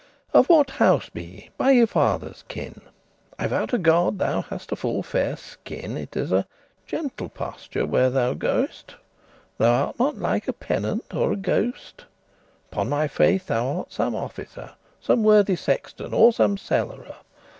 Of what house be ye, by your father's kin? I vow to God, thou hast a full fair skin; It is a gentle pasture where thou go'st; Thou art not like a penant* or a ghost. *penitent Upon my faith thou art some officer, Some worthy sexton, or some cellarer.